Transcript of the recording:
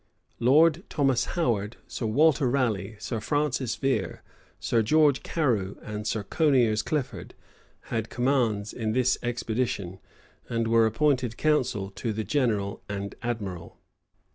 Lord Thomas Howard, Sir Walter Raleigh, Sir Francis Vere, Sir George Carew, and Sir Coniers Clifford had commands in this expedition, and were appointed council to the general and admiral.